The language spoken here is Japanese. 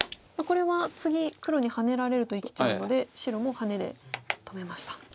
これは次黒にハネられると生きちゃうので白もハネで止めました。